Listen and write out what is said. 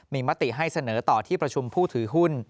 มีมติให้เสนอต่อที่ประชุมผู้ถือหุ้น